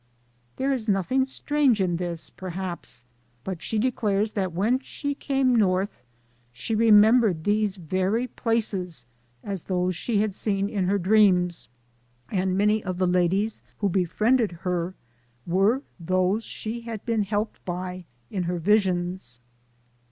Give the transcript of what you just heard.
There is nothing strange in this, perhaps, but she declares that when she came Xorth she remembered these very places as those she had seen in her dreams, and many of the ladies who befriended her were those she had 15een helped by in her visions.